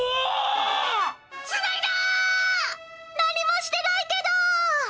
何もしてないけど。